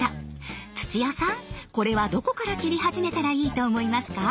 土屋さんこれはどこから切り始めたらいいと思いますか？